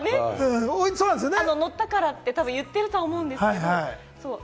乗ったからって言ってると思うんですよ。